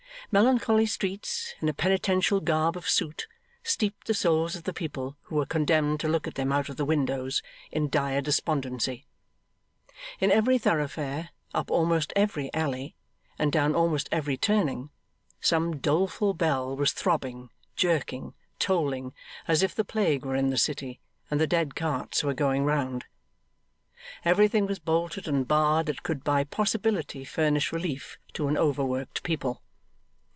Melancholy streets, in a penitential garb of soot, steeped the souls of the people who were condemned to look at them out of windows, in dire despondency. In every thoroughfare, up almost every alley, and down almost every turning, some doleful bell was throbbing, jerking, tolling, as if the Plague were in the city and the dead carts were going round. Everything was bolted and barred that could by possibility furnish relief to an overworked people.